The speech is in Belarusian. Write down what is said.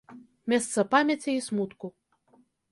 Месца памяці і смутку.